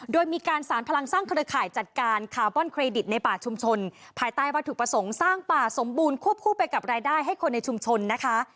โดยมีการสารพลังสร้างเครือข่ายจัดการคาร์บอนเครดิตในป่าชุมชนภายใต้วัตถุประสงค์สร้างป่าสมบูรณควบคู่ไปกับรายได้ให้คนในชุมชนนะคะ